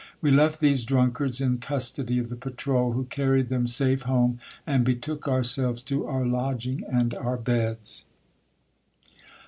We left these drunkards in custody of the patrole, who carried them safe home, and betook ourselves to our lodging and our beds.